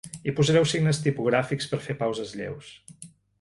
Hi posareu signes tipogràfics per fer pauses lleus.